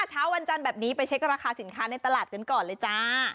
เช้าวันจันทร์แบบนี้ไปเช็คราคาสินค้าในตลาดกันก่อนเลยจ้า